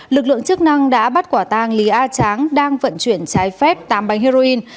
lực lượng chức năng đã bắt quả tang lý a tráng đang vận chuyển trái phép tám bánh heroin